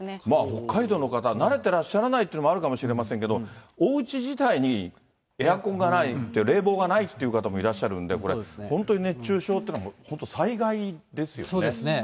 北海道の方、慣れてらっしゃらないというのもあるかもしれませんけれども、おうち自体にエアコンがないって、冷房がないっていう方もいらっしゃるんで、これ本当に熱中症ってそうですね。